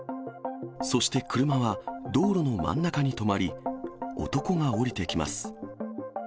そして車は、道路の真ん中に止まり、男が降りてきます。